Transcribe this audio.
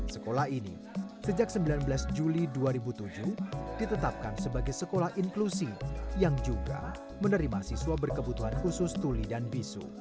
sekolah ini sejak sembilan belas juli dua ribu tujuh ditetapkan sebagai sekolah inklusi yang juga menerima siswa berkebutuhan khusus tuli dan bisu